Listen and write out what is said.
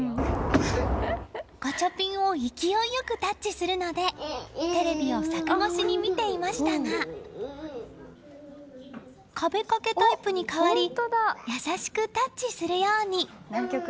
ガチャピンを勢いよくタッチするのでテレビを柵越しに見ていましたが壁掛けタイプに変わり優しくタッチするように。